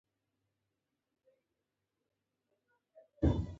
هرات د زراعت او صنعت په برخه کې د نورو ولایتونو څخه مخکې دی.